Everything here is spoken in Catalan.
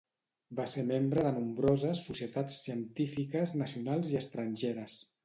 Va ser membre de nombroses societats científiques nacionals i estrangeres.